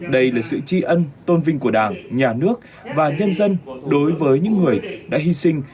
đây là sự tri ân tôn vinh của đảng nhà nước và nhân dân đối với những người đã hy sinh